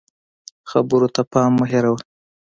خبرو ته پام مه هېروه